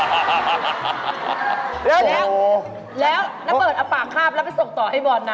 แล้วแล้วน้าเปิดเอาปากคาบแล้วไปส่งต่อให้บอลนะ